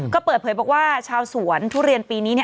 ก็เปิดเผยบอกว่าชาวสวนทุเรียนปีนี้